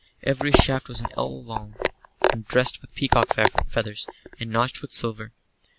Every shaft was an ell long, and dressed with peacock's feathers and notched with silver.